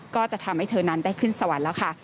ก็จะทำให้เธอนั้นได้ขึ้นสวรรค์แล้วค่ะ